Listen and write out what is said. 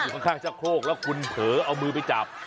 ข้างชะโครกแล้วคุณเผลอเอามือไปจับ